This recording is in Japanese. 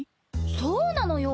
そうなのよ。